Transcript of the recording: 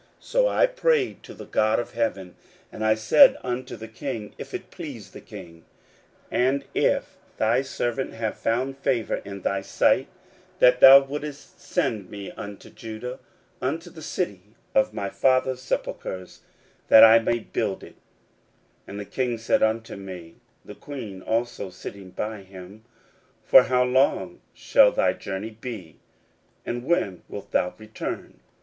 So I prayed to the God of heaven. 16:002:005 And I said unto the king, If it please the king, and if thy servant have found favour in thy sight, that thou wouldest send me unto Judah, unto the city of my fathers' sepulchres, that I may build it. 16:002:006 And the king said unto me, (the queen also sitting by him,) For how long shall thy journey be? and when wilt thou return?